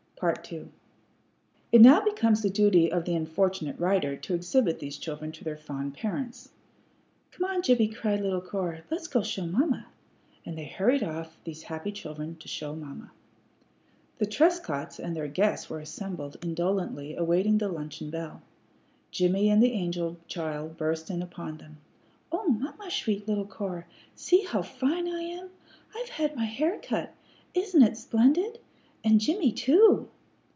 II It now becomes the duty of the unfortunate writer to exhibit these children to their fond parents. "Come on, Jimmie," cried little Cora, "let's go show mamma." And they hurried off, these happy children, to show mamma. The Trescotts and their guests were assembled indolently awaiting the luncheon bell. Jimmie and the angel child burst in upon them. "Oh, mamma," shrieked little Cora, "see how fine I am! I've had my hair cut! Isn't it splendid? And Jimmie too!"